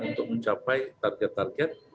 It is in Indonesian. untuk mencapai target target